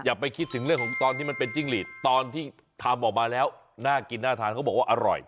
อย่าไปคิดถึงเรื่องของตอนที่มันเป็นจิ้งหลีดตอนที่ทำออกมาแล้วน่ากินน่าทานเขาบอกว่าอร่อย